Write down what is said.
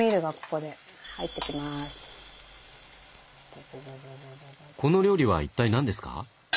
この料理は一体何ですか？